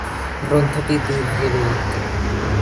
গ্রন্থটি দুইভাগে বিভক্ত।